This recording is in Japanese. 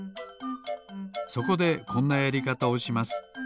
そこでこんなやりかたをします。